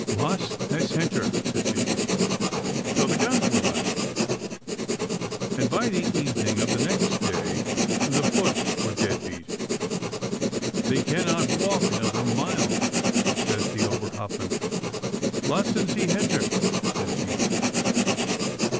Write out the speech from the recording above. "Lass es hinter!" says he. So the guns were left, and by the evening of the next day the foot were dead beat. "They cannot walk another mile!" says the Oberhauptmann. "Lassen Sie hinter!" says he.